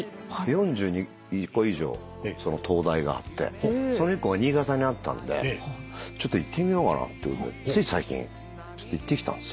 ４０個以上その灯台があってその１個が新潟にあったんでちょっと行ってみようかなっていうことでつい最近行ってきたんすよ。